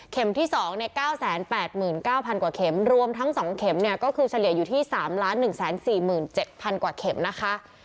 ที่๒๙๘๙๐๐กว่าเข็มรวมทั้ง๒เข็มเนี่ยก็คือเฉลี่ยอยู่ที่๓๑๔๗๐๐กว่าเข็มนะคะ